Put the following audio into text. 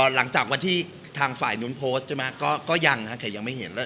หลังจากวันที่ทางฝ่ายนู้นโพสต์ใช่ไหมก็ยังฮะแต่ยังไม่เห็นแล้ว